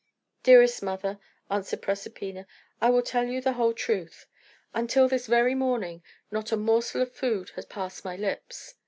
"Dearest mother," answered Proserpina, "I will tell you the whole truth. Until this very morning, not a morsel of food had passed my lips.